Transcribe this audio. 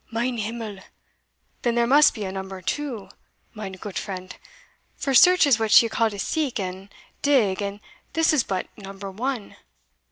Mein himmel! then there must be a number two, mein goot friend: for search is what you call to seek and dig, and this is but number one!